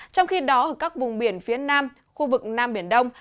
trong khi đó các vùng biển phía nam khu vực nam biển đông